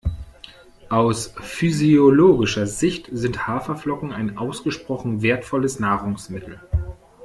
Aus physiologischer Sicht sind Haferflocken ein ausgesprochen wertvolles Nahrungsmittel.